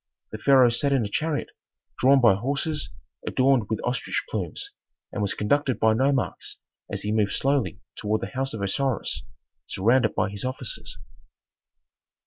The pharaoh sat in a chariot drawn by horses adorned with ostrich plumes, and was conducted by nomarchs as he moved slowly toward the house of Osiris, surrounded by his officers.